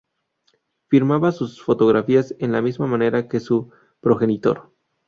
Firmaba sus fotografías en la misma manera que su progenitor.